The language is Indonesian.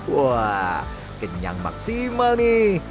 wah kenyang maksimal nih